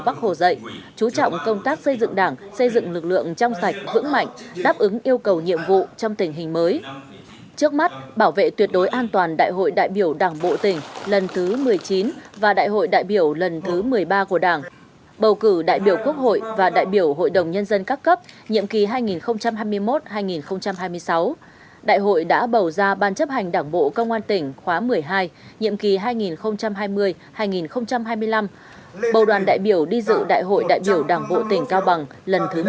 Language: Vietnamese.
mạnh đáp ứng yêu cầu nhiệm vụ trong tình hình mới trước mắt bảo vệ tuyệt đối an toàn đại hội đại biểu đảng bộ tỉnh lần thứ một mươi chín và đại hội đại biểu lần thứ một mươi ba của đảng bầu cử đại biểu quốc hội và đại biểu hội đồng nhân dân các cấp nhiệm kỳ hai nghìn hai mươi một hai nghìn hai mươi sáu đại hội đã bầu ra ban chấp hành đảng bộ công an tỉnh khóa một mươi hai nhiệm kỳ hai nghìn hai mươi hai nghìn hai mươi năm bầu đoàn đại biểu đi dự đại hội đại biểu đảng bộ tỉnh cao bằng lần thứ một mươi chín